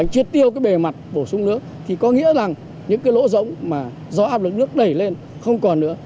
tiêu tiêu cái bề mặt bổ sung nước thì có nghĩa là những cái lỗ rỗng mà do áp lực nước đẩy lên không còn nữa